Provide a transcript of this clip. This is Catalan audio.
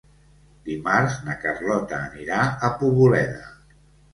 Dimarts na Carlota anirà a Poboleda.